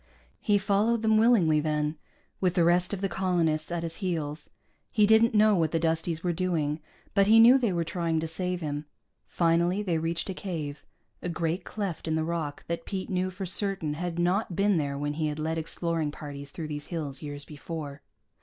He followed them willingly, then, with the rest of the colonists at his heels. He didn't know what the Dusties were doing, but he knew they were trying to save him. Finally they reached a cave, a great cleft in the rock that Pete knew for certain had not been there when he had led exploring parties through these hills years before.